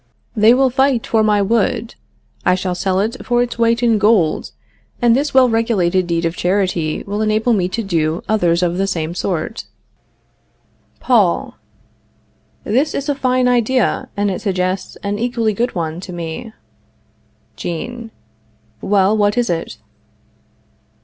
They will fight for my wood; I shall sell it for its weight in gold, and this well regulated deed of charity will enable me to do others of the same sort. Paul. This is a fine idea, and it suggests an equally good one to me. Jean. Well, what is it?